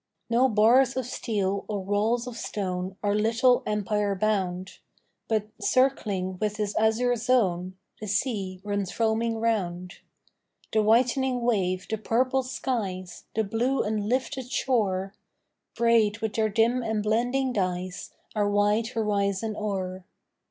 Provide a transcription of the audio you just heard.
No bars of steel or walls of stone Our little empire bound, But, circling with his azure zone, The sea runs foaming round; The whitening wave, the purpled skies, The blue and lifted shore, Braid with their dim and blending dyes Our wide horizon o'er.